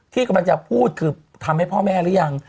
ที่กำลังจะพูดคือทำให้พ่อแม่หรือยัง